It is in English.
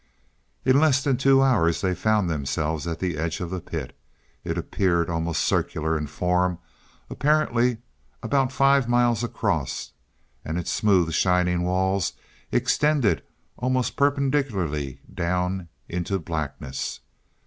In less than two hours they found themselves at the edge of the pit. It appeared almost circular in form, apparently about five miles across, and its smooth, shining walls extended almost perpendicularly down into blackness.